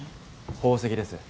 宝石です。